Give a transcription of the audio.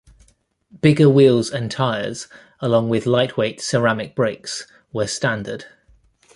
Bigger wheels and tires along with lightweight ceramic brakes were standard.